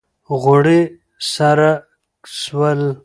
غوړي سره سول